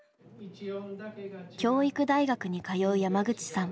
教育大学に通う山口さん。